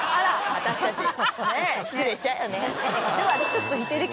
私たちねぇ失礼しちゃうよね。